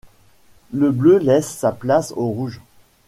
Le bleu laisse sa place au rouge.